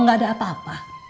gak ada apa apa